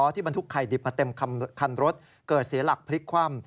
บรรทุกไข่ดิบมาเต็มคันรถเกิดเสียหลักพลิกคว่ำ